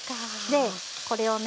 でこれをね